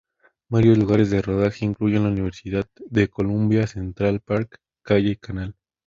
Varios lugares de rodaje incluyen la Universidad de Columbia, Central Park y Calle Canal.